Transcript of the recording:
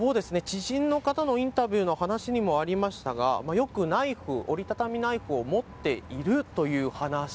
知人の方のインタビューの話にもありましたが、よくナイフ、折り畳みナイフを持っているという話。